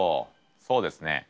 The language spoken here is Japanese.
そうですね。